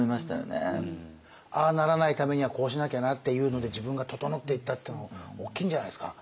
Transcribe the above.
ああならないためにはこうしなきゃなっていうので自分が整っていったっていうの大きいんじゃないですか？